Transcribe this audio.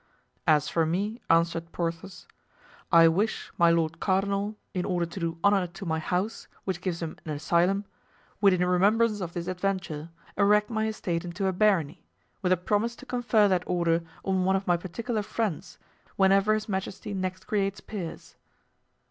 "As for me," answered Porthos, "I wish my lord cardinal, in order to do honor to my house, which gives him an asylum, would in remembrance of this adventure erect my estate into a barony, with a promise to confer that order on one of my particular friends, whenever his majesty next creates peers."